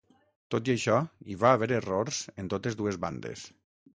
Tot i això, hi va haver errors en totes dues bandes.